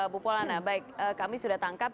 bu polana baik kami sudah tangkap